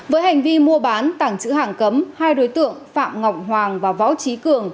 với hành vi mua bán tảng trữ hàng cấm hai đối tượng phạm ngọc hoàng và võ trí cường